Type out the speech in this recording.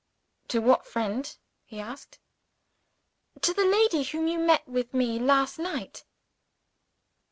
"To what friend?" he asked. "To the lady whom you met with me last night."